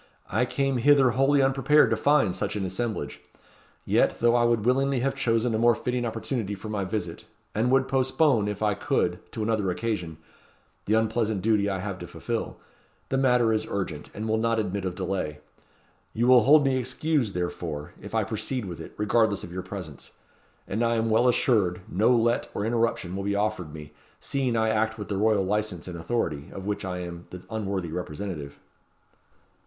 I came hither wholly unprepared to find such an assemblage. Yet, though I would willingly have chosen a more fitting opportunity for my visit, and would postpone, if I could, to another occasion, the unpleasant duty I have to fulfil; the matter is urgent, and will not admit of delay. You will hold me excused, therefore, if I proceed with it, regardless of your presence; and I am well assured no let or interruption will be offered me, seeing I act with the royal licence and authority, of which I am the unworthy representative."